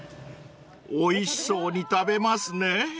［おいしそうに食べますね］